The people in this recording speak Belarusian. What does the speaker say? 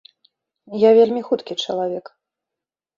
Я вельмі хуткі чалавек.